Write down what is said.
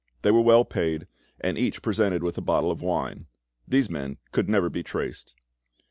They were well paid, and each presented with a bottle of wine. These men could never be traced.